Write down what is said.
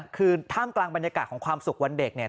คือท่ามกลางบรรยากาศของความสุขวันเด็กเนี่ย